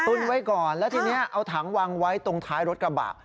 ไว้ก่อนแล้วทีนี้เอาถังวางไว้ตรงท้ายรถกระบะ